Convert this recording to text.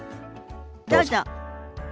どうぞ。